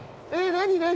何？